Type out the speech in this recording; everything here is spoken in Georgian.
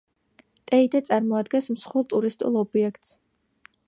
ტეიდე წარმოადგენს მსხვილ ტურისტულ ობიექტს.